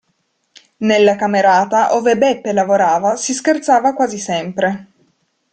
Nella camerata ove Beppe lavorava si scherzava quasi sempre.